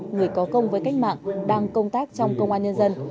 người có công với cách mạng đang công tác trong công an nhân dân